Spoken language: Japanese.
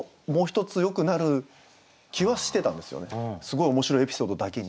すごい面白いエピソードだけに。